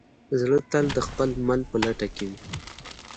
زړه تل د خپل مل په لټه کې وي.